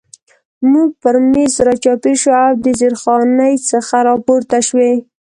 موږ پر مېز را چاپېر شو او د زیرخانې څخه را پورته شوي.